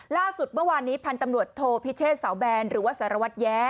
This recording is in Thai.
ล่าสุดเมื่อวานนี้พันธ์ตำรวจโทพิเชษเสาแบนหรือว่าสารวัตรแย้